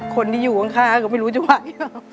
คนที่อยู่ข้างก็ไม่รู้จะไหว